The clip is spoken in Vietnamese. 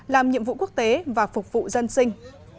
làm nhiệm vụ quốc tế và phục vụ dân sinh